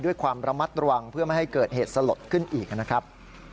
ด้วยความระมัดระวังเพื่อไม่ให้เกิดเหตุสลดขึ้นอีกนะครับ